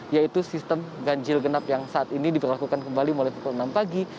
yaitu sistem ganjil genap yang saat ini diperlakukan kembali mulai pukul enam pagi